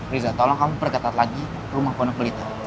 riza tolong kamu perketat lagi rumah ponok belita